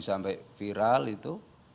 sampai viral itu